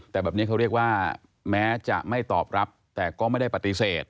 แต่แบบนี้เขาเรียกว่าแม้จะไม่ตอบรับแต่ก็ไม่ได้ปฏิเสธ